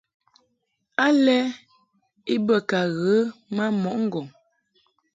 Alɛ i be ka ghə ma mɔʼ ŋgɔŋ.